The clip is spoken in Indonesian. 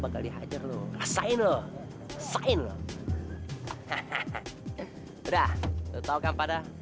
kanyak lo jangan suka